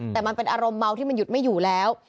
แต่มันเป็นอารมณ์เมาที่มันหยุดไม่อยู่แล้ว